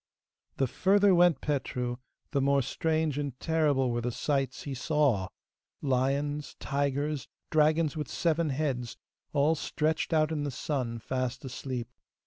The further went Petru, the more strange and terrible were the sights he saw lions, tigers, dragons with seven heads, all stretched out in the sun fast asleep.